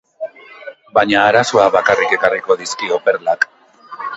Baina arazoak bakarrik ekarriko dizkio perlak.